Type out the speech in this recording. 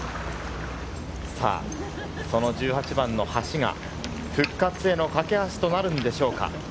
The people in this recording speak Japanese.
さぁその１８番の橋が、復活への架け橋となるんでしょうか。